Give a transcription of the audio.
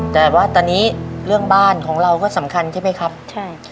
แต่ว่าตอนนี้เรื่องบ้านของเราก็สำคัญใช่ไหมครับใช่